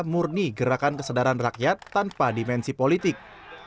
murni gerakan kesadaran rakyat tanpa dimensi politik